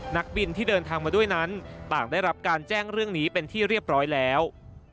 นักบินที่เดินทางมาด้วยนั้นต่างได้รับการแจ้งเรื่องนี้เป็นที่เรียบร้อยแล้ว